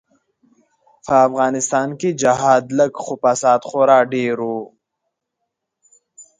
به افغانستان کی جهاد لږ خو فساد خورا ډیر وو.